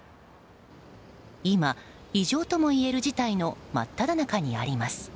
今、異常ともいえる事態の真っただ中にあります。